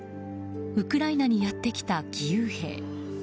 ウクライナにやってきた義勇兵。